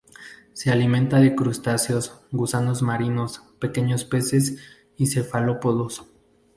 Se alimenta de crustáceos, gusanos marinos, pequeños peces y cefalópodos.